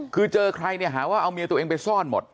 คือเจอใครเนี่ยหาว่าเอาเมียตัวเองไปซ่อนหมด